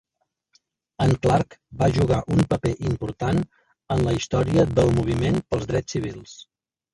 En Clark va jugar un paper important en la història del Moviment pels Drets Civils.